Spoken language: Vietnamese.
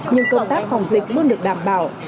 nhưng công tác phòng dịch luôn được đảm bảo